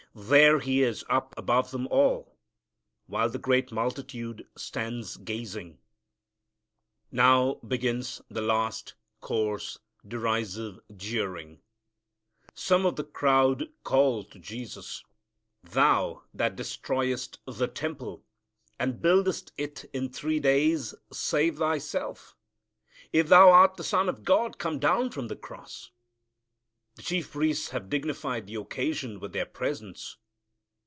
There He is up above them all, while the great multitude stands gazing. Now begins the last, coarse, derisive jeering. Some of the crowd call out to Jesus, "Thou that destroyest the temple, and buildest it in three days, save Thyself; if Thou art the Son of God, come down from the cross." The chief priests have dignified the occasion with their presence.